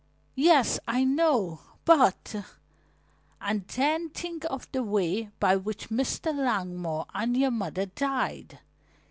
"Yes, I know. But " "And then think of the way by which Mr. Langmore and your mother died.